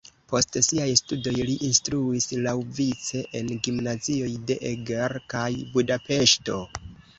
Post siaj studoj li instruis laŭvice en gimnazioj de Eger kaj Budapeŝto.